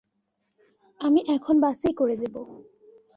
আমি এখন বাসেই করে দেবো।